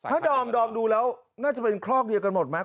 ถ้าดอมดูแล้วน่าจะเป็นครอกเดียวกันหมดไหม